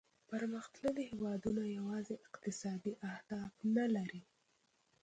پرمختللي هیوادونه یوازې اقتصادي اهداف نه لري